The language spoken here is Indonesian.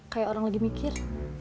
kayak orang lagi mikir